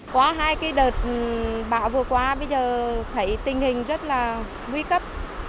qua hai đợt bão vừa qua bây giờ thấy tình hình rất là nguy cấp